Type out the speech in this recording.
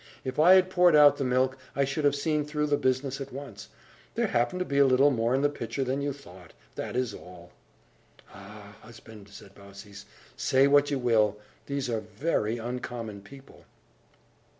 If I had poured out the milk, I should have seen through the business at once. There happened to be a little more in the pitcher than you thought that is all." "Ah, husband," said Baucis, "say what you will, these are very uncommon people."